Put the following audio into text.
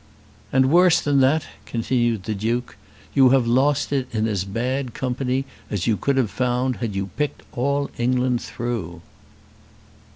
"And worse than that," continued the Duke; "you have lost it in as bad company as you could have found had you picked all England through."